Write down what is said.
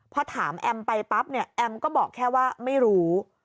พอถามแอมไปปั๊บเนี่ยแอมก็บอกแค่ว่าไม่รู้